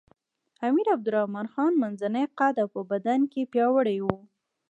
امیر عبدالرحمن خان منځنی قده او په بدن کې پیاوړی وو.